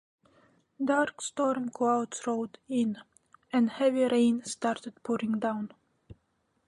Dark storm clouds rolled in, and heavy rain started pouring down.